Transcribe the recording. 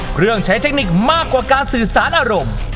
เครื่องใช้เทคนิคมากกว่าการสื่อสารอารมณ์